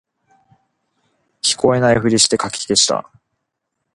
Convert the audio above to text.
聞こえないふりしてかき消した